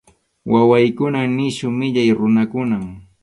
Wawaykunan nisyu millay runakunam.